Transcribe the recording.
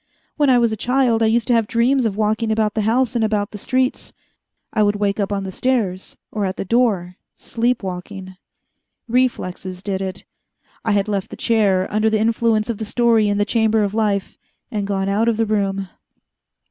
When I was a child I used to have dreams of walking about the house and about the streets. I would wake up on the stairs, or at the door sleep walking. Reflexes did it. I had left the chair, under the influence of the story in the Chamber of Life, and gone out of the room.